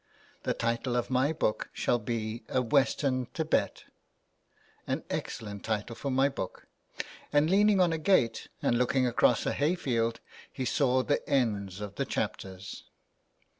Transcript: The title of my book shall be ' A Western Thibet,' an excellent title for my book !" and leaning on a gate, and looking across a hay field he saw the ends of chapters.